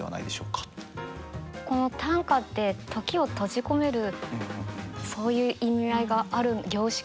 この短歌って時を閉じ込めるそういう意味合いがある凝縮。